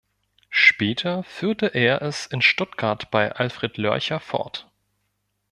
Später führte er es in Stuttgart bei Alfred Lörcher fort.